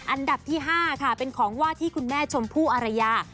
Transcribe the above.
อันดับที่๕ค่ะเป็นของว่าที่คุณแม่ชมพู่อารยา